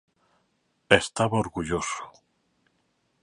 E estaba orgulloso.